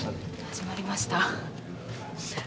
始まりました。